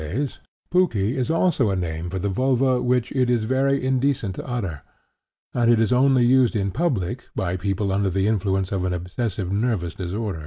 Among the Malays, puki is also a name for the vulva which it is very indecent to utter, and it is only used in public by people under the influence of an obsessive nervous disorder.